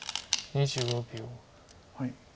２５秒。